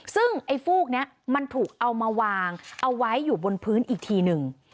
ซึ่งไอ้ฟูกนี้มันถูกเอามาวางเอาไว้อยู่บนพื้นอีกทีหนึ่ง